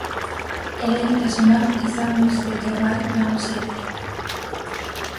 Elebitasuna izan duzu ikergai nagusietarik.